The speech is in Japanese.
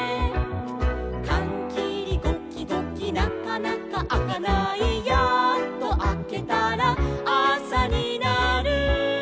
「かんきりゴキゴキなかなかあかない」「やっとあけたらあさになる」